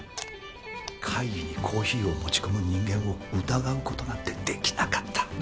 会議にコーヒーを持ち込む人間を疑うことなんてできなかった。